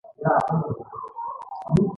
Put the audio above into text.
دا په کرنه کې د پانګونې مخه ډپ شوه.